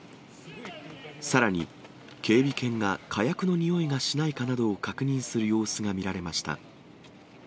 さらに、警備犬が火薬のにおいがしないかなどを確認する様子が見られました。